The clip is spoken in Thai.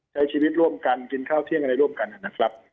ใช้ชีวิตร่วมกันกินข้าวเที่ยงอะไรร่วมกันนะครับ